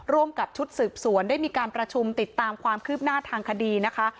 ร่วมกับชุดสืบสวนได้มีการประชุมติดตามความคืบหน้าทางคดีนะคะ